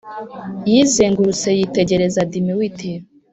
yizengurutse yitegereza dimwit;